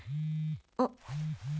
あっ。